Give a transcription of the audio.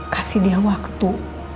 kasih dia waktu